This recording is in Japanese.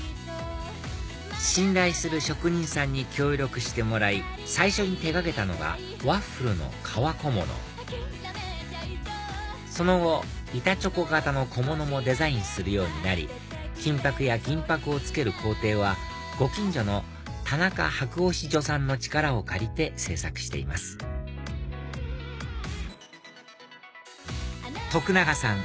信頼する職人さんに協力してもらい最初に手掛けたのがワッフルの革小物その後板チョコ形の小物もデザインするようになり金箔や銀箔を付ける工程はご近所の田中箔押所さんの力を借りて制作しています徳永さん